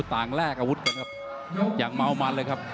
แลกอาวุธกันครับอย่างเมามันเลยครับ